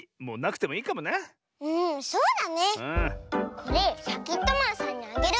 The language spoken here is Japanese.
これシャキットマンさんにあげる！